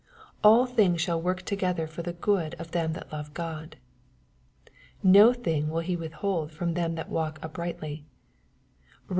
"All things shall work together for good to them that love God." " No good thing vrill He withhold from them that walk uprightly." (Bom.